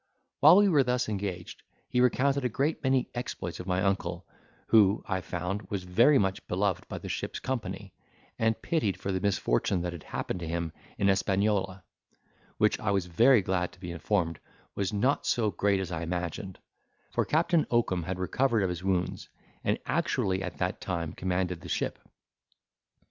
While we were thus engaged, he recounted a great many exploits of my uncle, who, I found, was very much beloved by the ship's company, and pitied for the misfortune that had happened to him in Hispaniola, which I was very glad to be informed was not so great as I imagined; for Captain Oakum had recovered of his wounds, and actually at that time commanded the ship.